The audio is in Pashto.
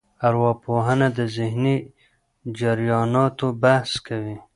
ارواپوهنه د ذهني جرياناتو بحث کوي.